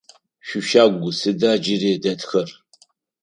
Шъуищагу сыда джыри дэтхэр?